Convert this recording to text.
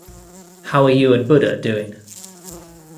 How are you and Buddha doing?